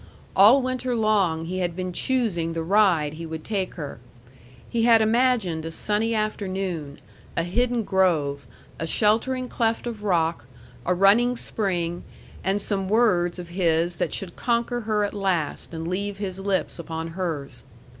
All winter long he had been choosing the ride he would take her. He had imagined a sunny afternoon, a hidden grove, a sheltering cleft of rock, a running spring, and some words of his that should conquer her at last and leave his lips upon hers.